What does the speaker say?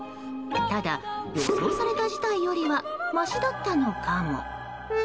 ただ、予想された事態よりはましだったのかも。